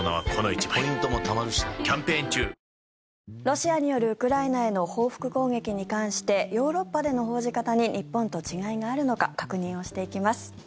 ロシアによるウクライナへの報復攻撃に関してヨーロッパでの報じ方に日本と違いがあるのか確認をしていきます。